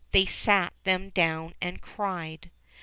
They sat them down and cried.